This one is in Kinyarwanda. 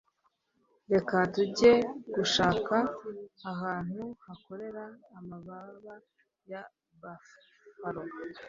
Reka tujye gushaka ahantu hakorera amababa ya Buffalo.